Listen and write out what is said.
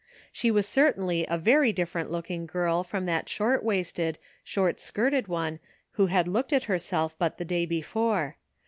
She was certainly a very different looking girl from that short waisted, short skirted one who had looked at herself but the day before.